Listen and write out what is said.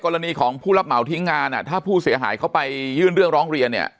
กรณีของผู้รับเหมาทิ้งงานอ่ะถ้าผู้เสียหายเขาไปยื่นเรื่องร้องเรียนเนี่ย